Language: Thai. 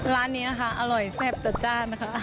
ร้านนี้นะคะอร่อยแซ่บจัดจ้านนะคะ